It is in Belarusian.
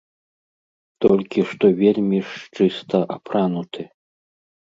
Толькі што вельмі ж чыста апрануты.